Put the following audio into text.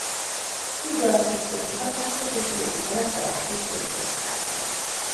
Így alakult ki a hivatásos és népi zene sajátos kölcsönhatása.